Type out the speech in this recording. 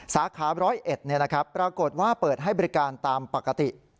สาขา๑๐๑ปรากฏว่าเปิดให้บริการตามปกติ